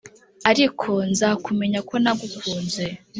Ariko nza kumenya ko nagukunze